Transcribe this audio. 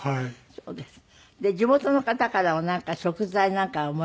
そうですか。